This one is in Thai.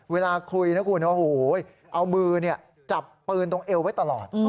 เวลาคุยนะคุณโอ้โหเอามือจับปืนตรงเอวไว้ตลอด